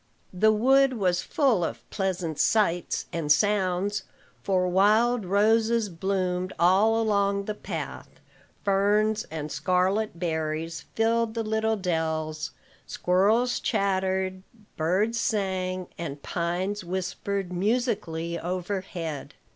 The wood was full of pleasant sights and sounds; for wild roses bloomed all along the path, ferns and scarlet berries filled the little dells, squirrels chattered, birds sang, and pines whispered musically overhead.